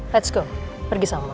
let's go pergi sama